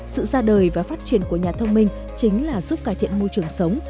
sự ra đời và phát triển của nhà thông minh chính là giúp cải thiện môi trường sống